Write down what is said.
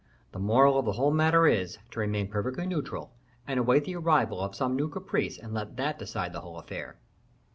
The moral of the whole matter is, to remain perfectly neutral, and await the arrival of some new caprice and let that decide the whole affair."